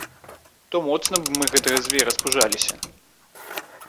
То моцна б мы гэтага звера спужаліся!